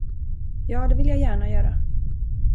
Ja, det vill jag gärna göra.